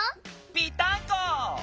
ぴったんこ。